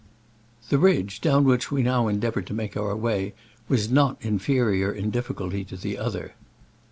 The ridge down which we now en deavored to make our way was not in ferior in difficulty to the other.